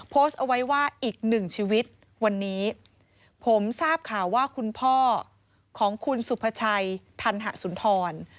โพสต์เอาไว้ว่าอีกหนึ่งชีวิตวันนี้ผมทราบข่าวว่าคุณพ่อของคุณสุภาชัยธันหสุนทร